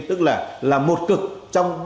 tức là một cực trong ba cực phát triển của thế giới